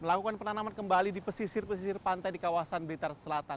melakukan penanaman kembali di pesisir pesisir pantai di kawasan blitar selatan